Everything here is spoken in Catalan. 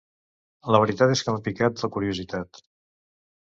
La veritat és que m'ha picat la curiositat.